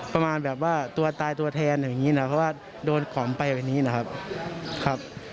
เพราะว่าโดนขอมไปแบบนี้นะครับ